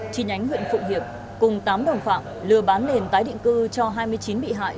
chi nhánh huyện phụng hiệp cùng tám đồng phạm lừa bán nền tái định cư cho hai mươi chín bị hại